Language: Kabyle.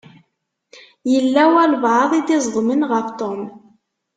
Yella walebɛaḍ i d-iẓeḍmen ɣef Tom.